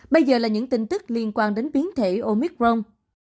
bây giờ là những tin tức liên quan đến biến thể omicron